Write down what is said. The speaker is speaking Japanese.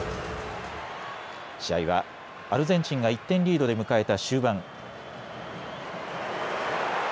試合はアルゼンチンが１点リードで迎えた終盤。